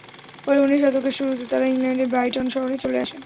পরে উনিশ শতকের শুরুতে তারা ইংল্যান্ডের ব্রাইটন শহরে চলে আসেন।